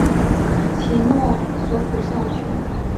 其诺索普校区。